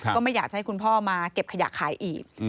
ก็ไม่อยากจะให้คุณพ่อมาเก็บขยะขายอีก